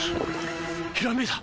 ひらめいた！